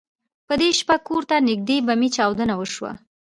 په دې شپه کور ته نږدې بمي چاودنه وشوه.